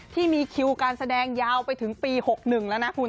ที่มีคิวการแสดงยาวไปถึงปี๖๑แล้วนะคุณ